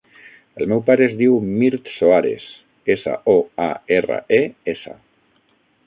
El meu pare es diu Mirt Soares: essa, o, a, erra, e, essa.